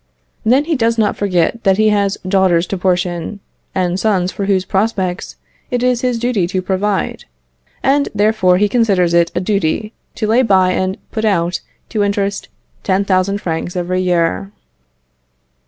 Then he does not forget that he has daughters to portion, and sons for whose prospects it is his duty to provide, and therefore he considers it a duty to lay by and put out to interest 10,000 francs every year.